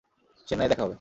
চেন্নাইয়ে দেখা হবে।